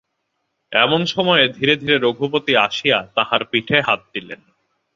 এমন সময়ে ধীরে ধীরে রঘুপতি আসিয়া তাঁহার পিঠে হাত দিলেন।